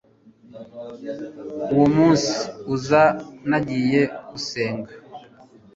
uwo munsi uza nagiye gusenga